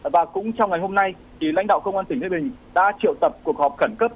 và cũng trong ngày hôm nay lãnh đạo công an tỉnh lê bình đã triệu tập cuộc họp khẩn cấp